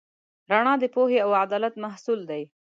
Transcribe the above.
رڼا د پوهې او عدالت محصول دی.